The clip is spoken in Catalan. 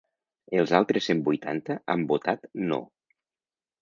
Els altres cent vuitanta han votat no.